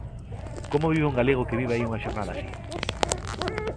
Como vive un galego que vive aí unha xornada así?